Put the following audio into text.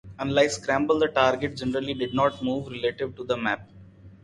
Unlike "Scramble", the targets generally did not move relative to the map.